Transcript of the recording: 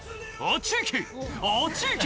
「あっち行け！